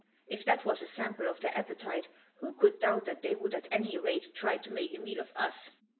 If that was a sample of their appetite, who could doubt that they would at any rate try to make a meal of us.